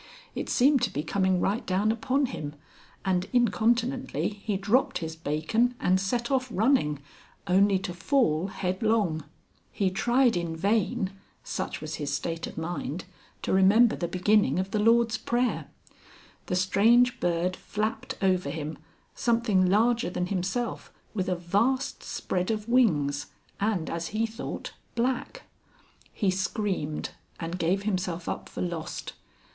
It seemed to be coming right down upon him, and incontinently he dropped his bacon and set off running, only to fall headlong. He tried in vain such was his state of mind to remember the beginning of the Lord's Prayer. The strange bird flapped over him, something larger than himself, with a vast spread of wings, and, as he thought, black. He screamed and gave himself up for lost.